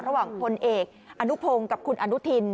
ระหว่างคนเอกอนุพงศ์กับคุณอนุทินศ์